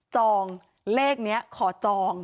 องเลขนี้ขอจอง